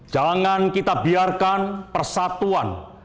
jangan kita biarkan persatuan